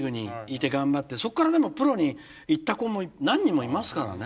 そっからでもプロに行った子も何人もいますからね。